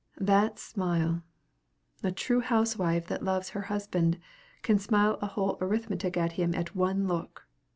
That smile! A true housewife that loves her husband can smile a whole arithmetic at him at one look!